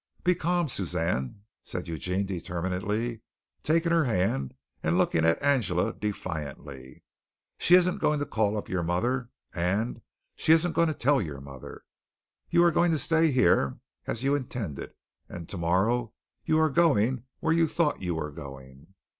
"Be calm, Suzanne," said Eugene determinedly, taking her hand and looking at Angela defiantly. "She isn't going to call up your mother, and she isn't going to tell your mother. You are going to stay here, as you intended, and tomorrow you are going where you thought you were going."